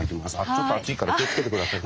ちょっと暑いから気をつけて下さいね。